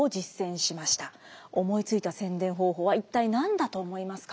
思いついた宣伝方法は一体何だと思いますか？